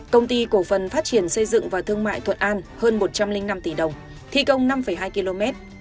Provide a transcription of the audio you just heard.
công ty cổ phần phát triển xây dựng và thương mại thuận an hơn một trăm linh năm tỷ đồng thi công năm hai km